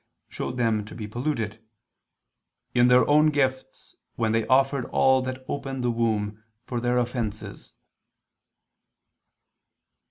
showed them to be polluted, "in their own gifts, when they offered all that opened the womb, for their offenses."